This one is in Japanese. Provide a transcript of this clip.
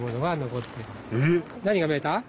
何が見えた？